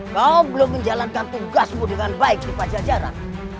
kau belum menjalankan tugasmu dengan baik di pajajaran